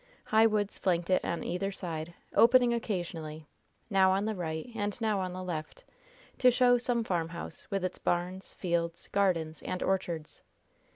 High woods flanked it on either side, opening occasionally, now on the right and now on the left, to show some farmhouse, with its barns, fields, gardens and orchards.